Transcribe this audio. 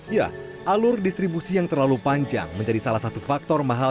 ya alur distribusi yang terlalu panjang menjadi salah satu faktor mahal